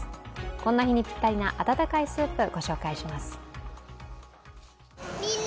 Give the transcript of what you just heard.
こんな日にぴったりな温かいスープ、ご紹介します。